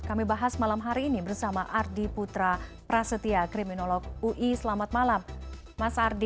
kami bahas malam hari ini bersama ardi putra prasetya kriminolog ui selamat malam mas ardi